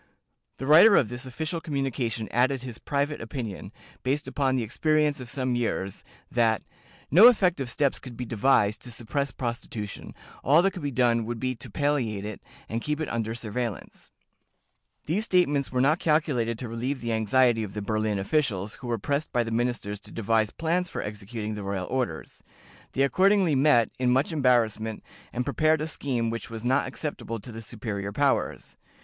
The writer of this official communication added his private opinion, based upon the experience of some years, that "no effective steps could be devised to suppress prostitution: all that could be done would be to palliate it, and keep it under surveillance." These statements were not calculated to relieve the anxiety of the Berlin officials, who were pressed by the ministers to devise plans for executing the royal orders. They accordingly met, in much embarrassment, and prepared a scheme which was not acceptable to the superior powers.